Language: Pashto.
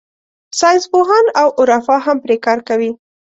ساینسپوهان او عرفا هم پرې کار کوي.